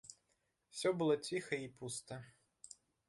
Усё было ціха і пуста.